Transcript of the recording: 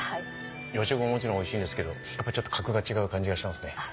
養殖ももちろんおいしいんですけどやっぱちょっと格が違う感じがしますね。